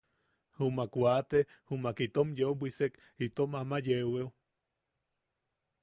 Jumak... wate jumak itom yeu bwissek itom ama yeeweo.